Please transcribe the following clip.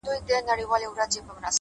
پوه انسان د زده کړې فرصت نه ضایع کوي,